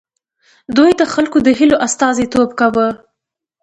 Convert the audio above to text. دوی د خلکو د هیلو استازیتوب کاوه.